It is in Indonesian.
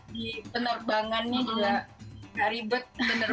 di penerbangan juga tidak ribet